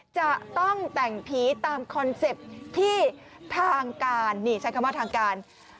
จะต้องแต่งผีตามคอนเซ็ปต์ที่ทางการนี่ใช้คำว่าทางการ